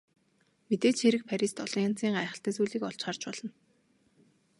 Мэдээж хэрэг Парист олон янзын гайхалтай зүйлийг олж харж болно.